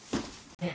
えっ？